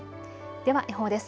では予報です。